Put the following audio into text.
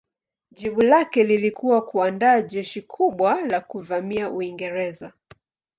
Jibu lake lilikuwa kuandaa jeshi kubwa la kuvamia Uingereza.